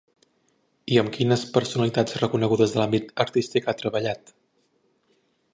I amb quines personalitats reconegudes de l'àmbit artístic ha treballat?